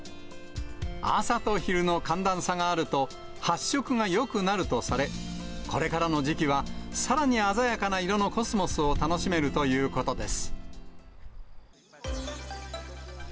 朝と昼の寒暖差があると、発色がよくなるとされ、これからの時期は、さらに鮮やかな色のコスモスを楽しめるということです。